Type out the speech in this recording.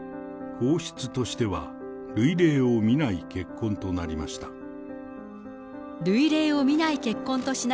皇室としては、類例を見ない結婚となりました。